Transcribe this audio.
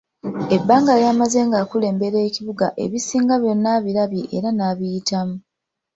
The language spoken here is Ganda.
Ebbanga lyamaze ng'akulembera ekibuga ebisinga byonna abirabye era na biyitamu.